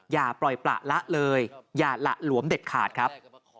อย่าปล่อยประละเลยอย่าหละหลวมเด็ดขาดครับ